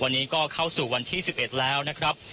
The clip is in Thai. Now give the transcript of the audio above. วันนี้ก็เข้าสู่วันที่๑๑แล้วนะครับ